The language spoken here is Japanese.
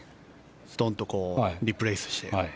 ストンとリプレースして。